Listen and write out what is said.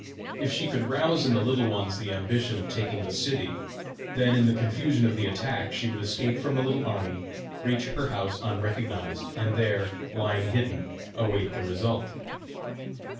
If she could rouse in the Little Ones the ambition of taking the city, then in the confusion of the attack, she would escape from the little army, reach her house unrecognised, and there lying hidden, await the result!